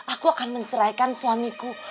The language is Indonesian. aku akan menceraikan suamiku